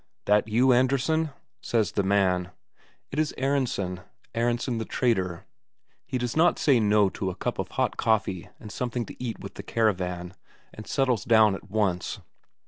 "That you, Andresen?" says the man. It is Aronsen, Aronsen the trader. He does not say "No" to a cup of hot coffee and something to eat with the caravan, and settles down at once.